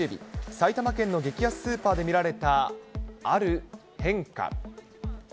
埼玉県の激安スーパーで見られた、ある変化。